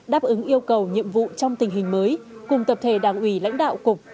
đáp ứng yêu cầu nhiệm vụ trong tình hình mới cùng tập thể đảng ủy lãnh đạo cục